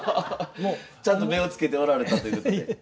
ちゃんと目を付けておられたということで。